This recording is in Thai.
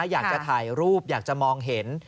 อยากจะถ่ายรูปอยากจะมองเห็น